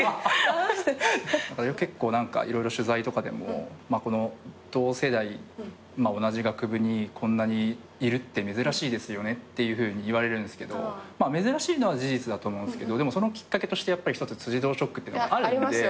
結構何か色々取材とかでも同世代同じ学部にこんなにいるって珍しいですよねっていうふうに言われるんですけどまあ珍しいのは事実だと思うんすけどでもそのきっかけとして一つ辻堂ショックってのがあるんで。